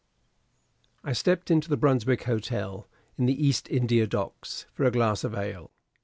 I stepped into the Brunswick Hotel in the East India Docks for a glass of ale.